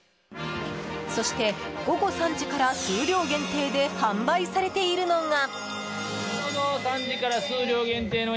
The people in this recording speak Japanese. そして、午後３時から数量限定で販売されているのが。